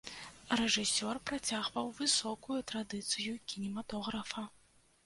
Рэжысёр працягваў высокую традыцыю кінематографа.